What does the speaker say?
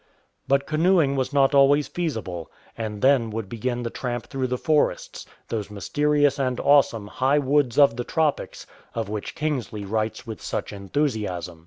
But canoeing was not always feasible, and then would begin the tramp through the forests — those mysterious and awesome "high w^oods of the tropics" of which Kingsley writes with such enthusiasm.